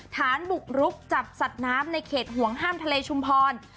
ฐานบุกรุกจับสัตว์น้ำในเขตห่วงห้ามทะเลชุมพร